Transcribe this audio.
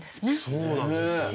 そうなんですよね。